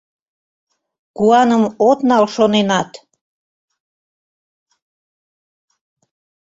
Куаным от нал шоненат.